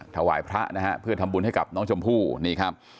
ถวายพระนะฮะเพื่อทำบุญให้กับน้องชมพู่นี่ครับ